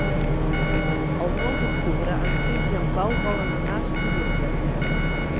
El nou d'octubre en Quim i en Pau volen anar a Estivella.